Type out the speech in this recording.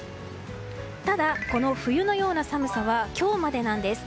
ただ、この冬のような寒さは今日までなんです。